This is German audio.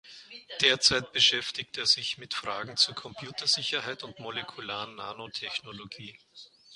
Derzeit beschäftigt er sich mit Fragen zur Computersicherheit und molekularen Nanotechnologie.